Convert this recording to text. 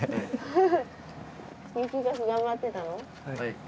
はい。